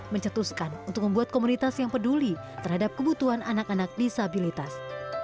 mencetuskan untuk membuat komunitas yang peduli terhadap kebutuhan anak anak disabilitas